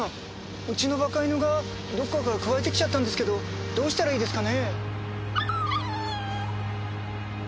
うちのバカ犬がどっかからかくわえてきちゃったんですけどどうしたらいいですかね？